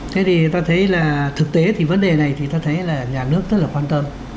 thế thì ta thấy là thực tế thì vấn đề này thì ta thấy là nhà nước rất là quan tâm